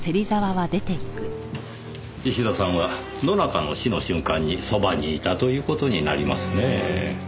石田さんは野中の死の瞬間にそばにいたという事になりますねぇ。